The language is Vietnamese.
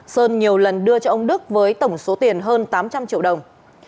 sơn nhiều lần đưa cho ông đức với tổng số tiền hơn tám trăm linh triệu đồng